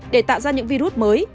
để tạo ra những virus mới